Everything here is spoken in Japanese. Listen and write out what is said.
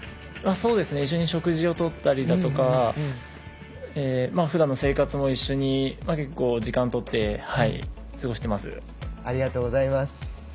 そうですね一緒に食事をとったりとかふだんの生活を一緒に時間を取ってありがとうございます。